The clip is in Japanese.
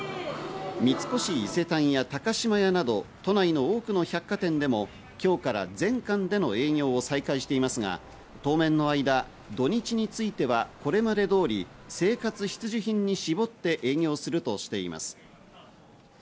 三越伊勢丹や高島屋など、都内の多くの百貨店でも今日から全館での営業を再開していますが、当面の間、土・日についてはこれまで通り生活必需品に絞って営業するとしています。